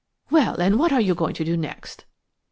"Well, and what are you going to do next?"